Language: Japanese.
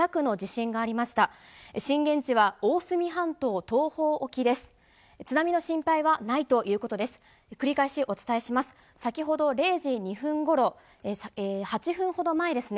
震源地は大隅半島東方沖です。